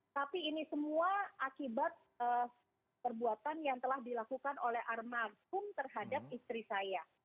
tapi ini semua akibat perbuatan yang telah dilakukan oleh almarhum terhadap istri saya